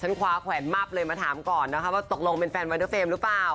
คว้าแขวนมับเลยมาถามก่อนนะคะว่าตกลงเป็นแฟนไว้เดอร์เฟรมหรือเปล่า